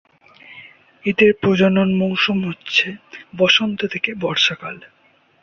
এদের প্রজনন মৌসুম হচ্ছে বসন্ত থেকে বর্ষাকাল।